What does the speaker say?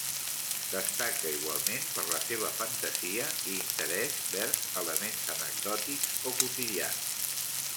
Destaca igualment per la seva fantasia i interès vers elements anecdòtics o quotidians.